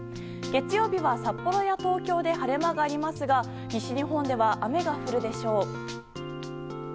月曜日は、札幌や東京で晴れ間がありますが西日本では雨が降るでしょう。